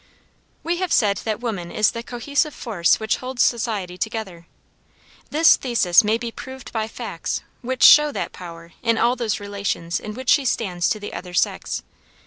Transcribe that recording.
We have said that woman is the cohesive force which holds society together. This thesis may be proved by facts which show that power in all those relations in which she stands to the other sex.